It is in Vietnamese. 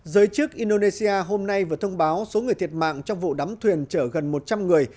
giới chức indonesia hôm nay vừa thông báo số người thiệt mạng trong vụ đắm thuyền chở gần một trăm linh người